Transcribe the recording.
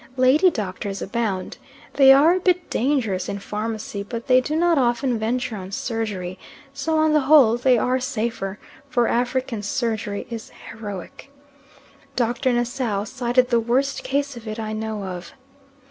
Lady doctors abound. They are a bit dangerous in pharmacy, but they do not often venture on surgery, so on the whole they are safer, for African surgery is heroic. Dr. Nassau cited the worst case of it I know of.